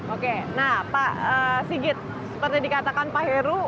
oke nah pak sigit seperti dikatakan pak heru